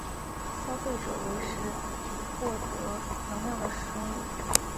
消费者为食以获得能量的生物。